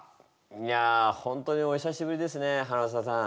いや本当におひさしぶりですねさん。